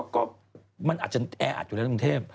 ก็บัวบางลงนะนี่ปีนี้